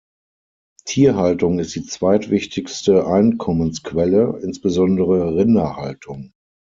Tierhaltung ist die zweitwichtigste Einkommensquelle, insbesondere Rinderhaltung.